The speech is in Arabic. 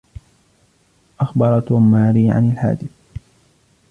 أخبر توم ماري عن الحادث.